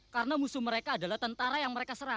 karena musuh mereka adalah tentara yang mereka mencari